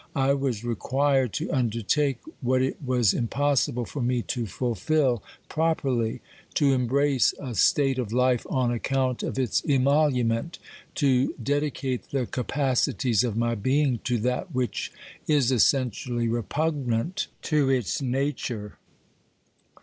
I was required to undertake what it was impossible for me to fulfil properly ; to embrace a state of life on account of its emolument ; to dedicate the capacities of my being to that which is essentially repugnant to its nature.